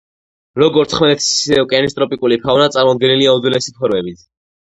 როგორც ხმელეთის, ისე ოკეანის ტროპიკული ფაუნა წარმოდგენილია უძველესი ფორმებით.